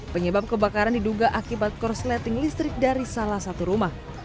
penyebab kebakaran diduga akibat korsleting listrik dari salah satu rumah